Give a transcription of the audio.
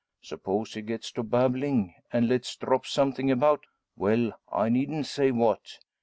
Suppose he gets to babbling, and lets drop something about well, I needn't say what.